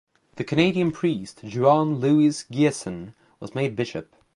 The Canadian priest Juan Luis Giasson, was made Bishop.